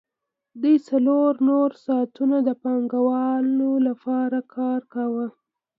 دوی څلور نور ساعتونه د پانګوال لپاره کار کاوه